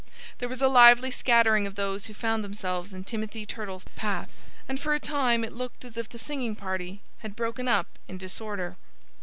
There was a lively scattering of those who found themselves in Timothy Turtle's path. And for a time it looked as if the singing party had broken up in disorder.